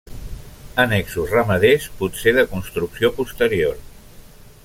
Annexos ramaders, potser de construcció posterior.